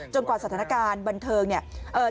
กว่าสถานการณ์บันเทิงเนี่ย